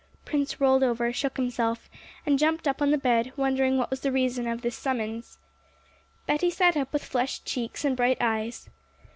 Prince rolled over, shook himself, and jumped up on the bed, wondering what was the reason of this summons. Betty sat up with flushed cheeks and bright eyes.